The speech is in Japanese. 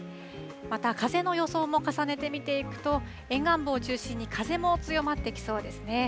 また、風の予想も重ねて見ていくと沿岸部を中心に風も強まってきそうですね。